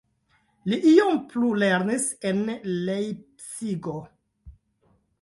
Li iom plulernis en Lejpcigo.